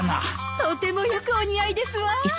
とてもよくお似合いですわ。